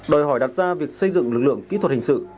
đòi hỏi đặt ra việc xây dựng lực lượng kỹ thuật hình sự